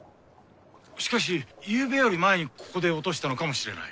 しかし夕べより前にここで落としたのかもしれない。